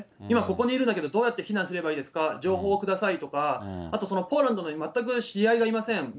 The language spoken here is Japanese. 今ここにいるんだけどどうやって避難すればいいですか、情報をくださいとか、あとそのポーランドに全く知り合いがありません。